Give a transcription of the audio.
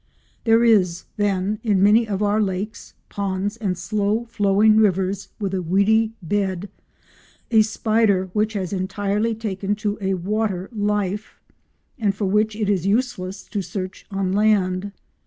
There is, then, in many of our lakes, ponds and slow flowing rivers with a weedy bed, a spider which has entirely taken to a water life, and for which it is useless to search on land.